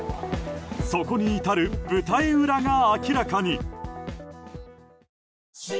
そこに至る舞台裏が明らかに。